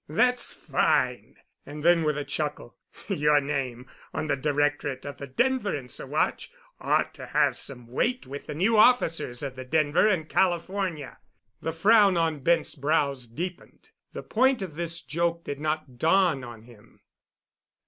"That's fine!" And then with a chuckle, "Your name on the directorate of the Denver and Saguache ought to have some weight with the new officers of the Denver and California." The frown on Bent's brows deepened. The point of this joke did not dawn on him.